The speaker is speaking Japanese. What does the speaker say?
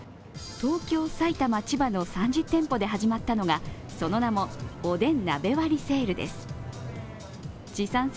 東京、埼玉、千葉の３０店舗で始まったのが、その名も、おでん鍋割セールです。